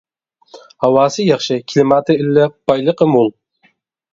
ھاۋاسى ياخشى، كىلىماتى ئىللىق، بايلىقى مول.